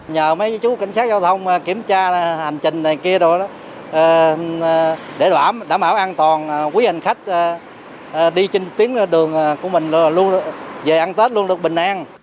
nhờ mấy chú cảnh sát giao thông kiểm tra hành trình này kia rồi đó để đảm bảo an toàn quý hành khách đi trên tuyến đường của mình về ăn tết luôn được bình an